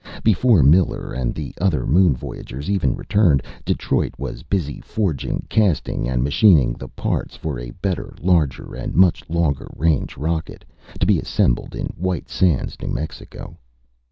Before Miller and the other moon voyagers even returned, Detroit was busy forging, casting and machining the parts for a better, larger and much longer range rocket, to be assembled in White Sands, New Mexico.